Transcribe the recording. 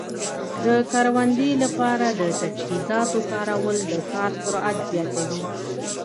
د کروندې لپاره د تجهیزاتو کارول د کار سرعت زیاتوي.